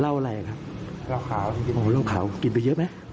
เหล้าอะไรครับหลักขาวอะหลักขาวกริดไปเยอะมั้ย